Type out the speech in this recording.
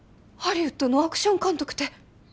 ハリウッドのアクション監督て！